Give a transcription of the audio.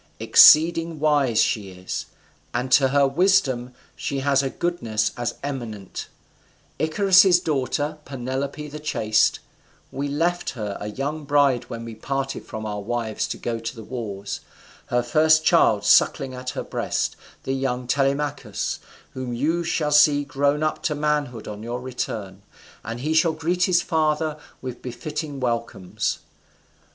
Exceeding wise she is, and to her wisdom she has a goodness as eminent; Icarius's daughter, Penelope the chaste: we left her a young bride when we parted from our wives to go to the wars, her first child sucking at her breast, the young Telemachus, whom you shall see grown up to manhood on your return, and he shall greet his father with befitting welcomes.